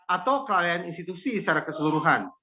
atau kelalaian institusi secara keseluruhan